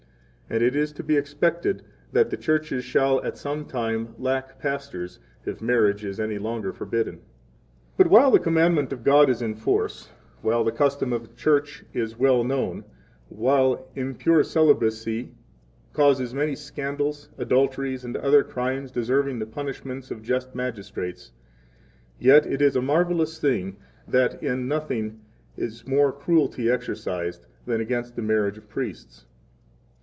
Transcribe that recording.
17 And it is to be expected that the churches shall at some time lack pastors if marriage is any longer forbidden. 18 But while the commandment of God is in force, while the custom of the Church is well known, while impure celibacy causes many scandals, adulteries, and other crimes deserving the punishments of just magistrates, yet it is a marvelous thing that in nothing is more cruelty exercised than against 19 the marriage of priests.